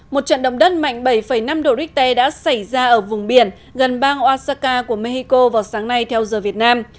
một trận động đất mạnh bảy năm độ richter đã xảy ra ở vùng biển gần bang oasaka của mexico vào sáng nay theo giờ việt nam